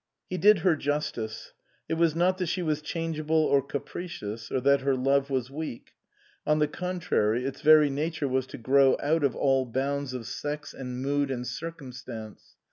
He did her justice. It was not that she was changeable or capricious, or that her love was weak ; on the contrary, its very nature was to grow out of all bounds of sex and mood and circumstance.